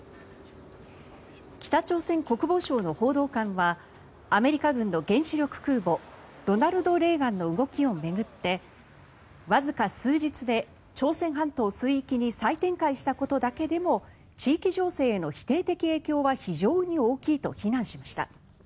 北朝鮮国防省の報道官はアメリカ軍の原子力空母「ロナルド・レーガン」の動きを巡ってわずか数日で朝鮮半島水域に再展開したことだけでも地域情勢への否定的影響は非常に大きいと非難しました。